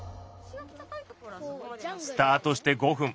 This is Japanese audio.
スタートして５分。